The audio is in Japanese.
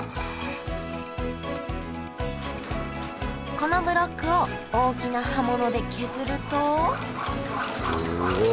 このブロックを大きな刃物で削るとすごい。